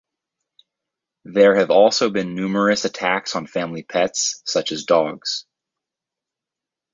There have also been numerous attacks on family pets, such as dogs.